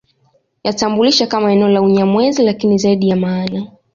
Yatambulisha kama eneo la Unyamwezi lakini zaidi ya maana